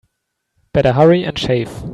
Better hurry and shave.